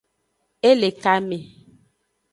E le kame.